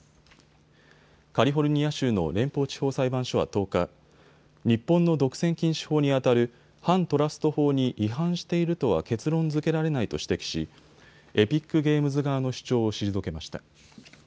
カリフォルニア州の連邦地方裁判所は１０日、日本の独占禁止法にあたる反トラスト法に違反しているとは結論づけられないと指摘しエピックゲームズ側の主張を退けました。